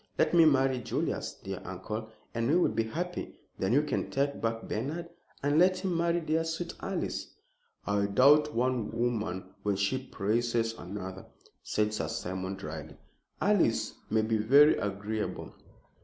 Let me marry Julius, dear uncle, and we will be happy. Then you can take back Bernard and let him marry dear, sweet Alice." "I doubt one woman when she praises another," said Sir Simon, dryly. "Alice may be very agreeable."